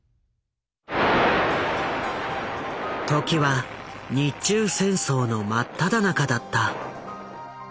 時は日中戦争の真っただ中だった。